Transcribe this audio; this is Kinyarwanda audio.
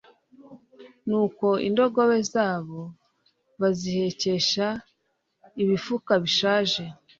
nuko indogobe zabo bazihekesha ibifuka bishaje